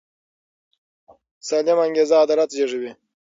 سالمه انګیزه عدالت زېږوي